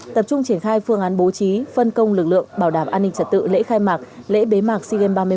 tập trung triển khai phương án bố trí phân công lực lượng bảo đảm an ninh trật tự lễ khai mạc lễ bế mạc sigen ba mươi một